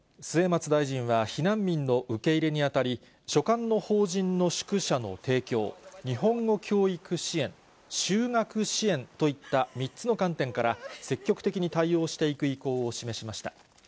末松大臣は避難民の受け入れにあたり、所管の法人の宿舎の提供、日本語教育支援、就学支援といった３つの観点から、積極的に対応していく意向を示しました。